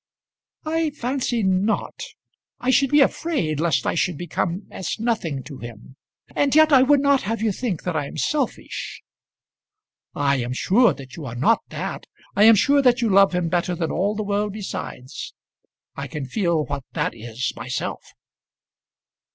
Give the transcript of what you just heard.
"I fancy not. I should be afraid lest I should become as nothing to him. And yet I would not have you think that I am selfish." "I am sure that you are not that. I am sure that you love him better than all the world besides. I can feel what that is myself."